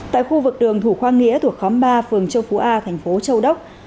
tại khu vực đường thủ khoa nghĩa thuộc khóm ba phường châu phú a thành phố châu đốc